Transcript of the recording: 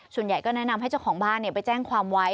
ส่วนใหญ่ก็แนะนำให้เจ้าของบ้านไปแจ้งความไว้